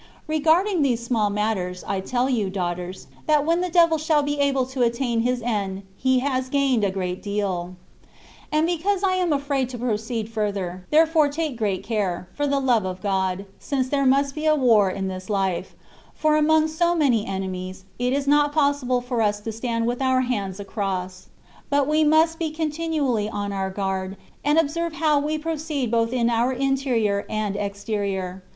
Regarding these small matters, I tell you, daughters, that when the devil shall be able to attain his end, he has gained a great deal. And because I am afraid to proceed further, therefore take great care, for the love of God, CONCEPTIONS OF DIVINE LOVE. 235 since there must be a war in this life ; for^ among so many enemies, it is not possible for us to stand with our hands across ; but we must be continually on our guard, and observe how we proceed both in our interior and exterior.